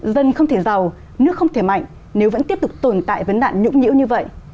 dân không thể giàu nước không thể mạnh nếu vẫn tiếp tục tồn tại vấn đạn nhũng nhiễu như vậy